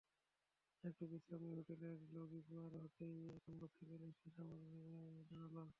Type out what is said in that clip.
একটু বিশ্রাম নিয়ে হোটেলের লবি পার হতেই একটা মোটরসাইকেল এসে সামনে দাঁড়াল।